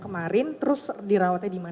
kemarin terus dirawatnya di mana